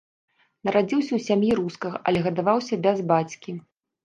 Нарадзіўся ў сям'і рускага, але гадаваўся бяз бацькі.